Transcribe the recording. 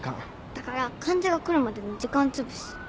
だから患者が来るまでの時間つぶし。